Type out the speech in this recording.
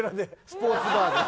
スポーツバーで。